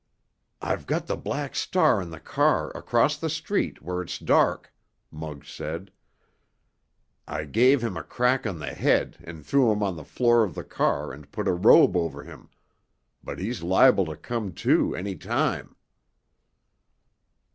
"I've got the Black Star in the car across the street, where it's dark," Muggs said. "I gave him a crack on the head and threw him on the floor of the car and put a robe over him—but he's liable to come to any time."